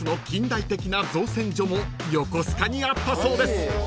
［横須賀にあったそうです］